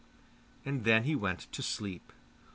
And then he went to sleep.